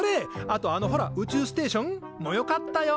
あとあのほら宇宙ステーション？もよかったよ。